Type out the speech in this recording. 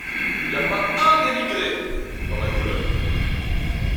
Il n'y a pas un émigré dans ma colonne.